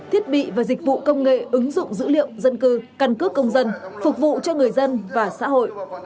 thiết bị và dịch vụ công nghệ ứng dụng dữ liệu dân cư căn cước công dân phục vụ cho người dân và xã hội